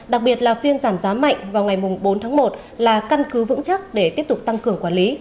đặc biệt là phiên giảm giá mạnh vào ngày bốn tháng một là căn cứ vững chắc để tiếp tục tăng cường quản lý